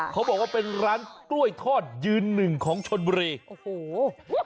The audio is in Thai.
เขาบอกว่าเป็นร้านกล้วยทอดยืนหนึ่งของชนบุรีโอ้โห